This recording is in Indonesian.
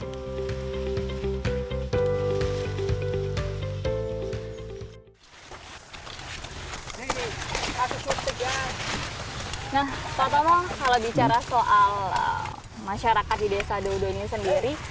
nah pak tomo kalau bicara soal masyarakat di desa dodo ini sendiri